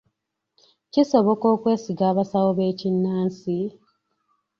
Kisoboka okwesiga abasawo b'ekinnansi?